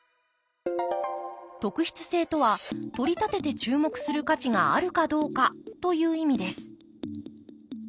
特筆性とはとりたてて注目する価値があるかどうかという意味です